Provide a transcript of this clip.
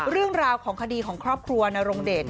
เรื่องราวของคดีของครอบครัวนรงเดช